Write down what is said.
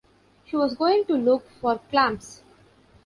She was going to look for clams.